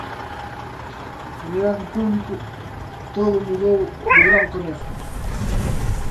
A nivel de público, todo mudou de branco a negro.